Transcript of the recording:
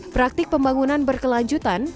praktik pembangunan berkelanjutan